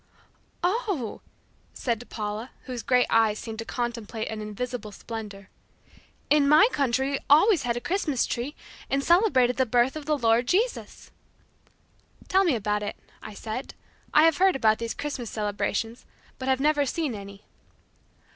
"Oh," said Paula whose great eyes seemed to contemplate an invisible splendor. "In my country we always had a Christmas tree, and celebrated the birth of the Lord Jesus." "Tell me about it," I said, "I have heard about these Christmas celebrations, but have never seen any."